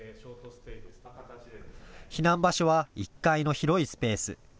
避難場所は１階の広いスペース。